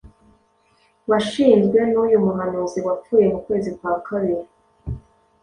washinzwe n'uyu muhanzi wapfuye mu kwezi kwa kabiri,